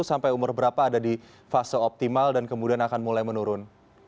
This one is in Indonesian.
sampai umur berapa ada di fase optimal dan kemudian akan mulai menurun